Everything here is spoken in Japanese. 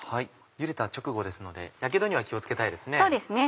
ゆでた直後ですのでやけどには気を付けたいですね。